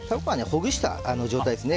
ほぐした状態ですね。